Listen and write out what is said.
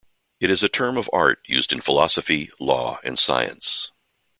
It is a term of art used in philosophy, law, and science.